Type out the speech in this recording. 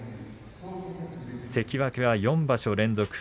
関脇は４場所連続